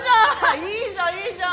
いいじゃんいいじゃん！